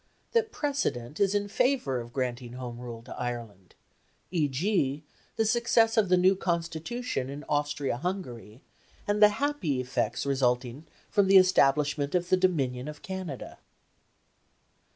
That precedent is in favour of granting Home Rule to Ireland e.g. the success of the new Constitution in Austria Hungary, and the happy effects resulting from the establishment of the Dominion of Canada.